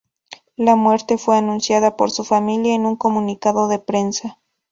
La muerte fue anunciada por su familia en un comunicado de prensa.